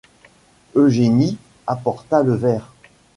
Eugénie apporta le verre.